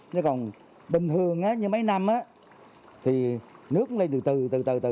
nếu còn bình thường như mấy năm thì nước lây từ từ từ từ từ từ